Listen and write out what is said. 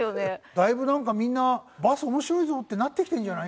だいぶなんかみんなバス面白いぞってなってきてるんじゃない？